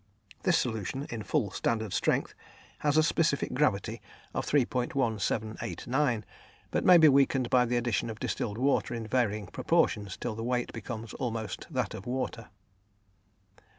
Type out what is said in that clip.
This solution, in full standard strength, has a specific gravity of 3.1789, but may be weakened by the addition of distilled water in varying proportions till the weight becomes almost that of water.